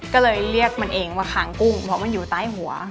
ก็เลยเรียกมันเองว่าค้างกุ้งเพราะมันอยู่ใต้หัว